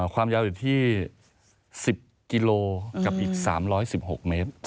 ความยาวอยู่ที่๑๐กิโลกับอีก๓๑๖เมตร